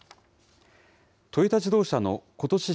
トヨタ自動車のことし